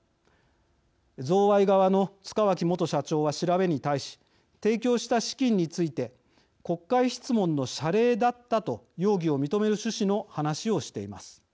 贈賄側の塚脇元社長は調べに対し提供した資金について「国会質問の謝礼だった」と容疑を認める趣旨の話をしています。